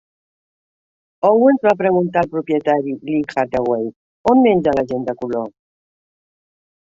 Owens va preguntar al propietari, Lee Hathaway, On menja la gent de color?